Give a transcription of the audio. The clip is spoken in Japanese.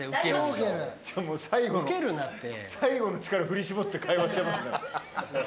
もう最後の力振り絞って会話してますね。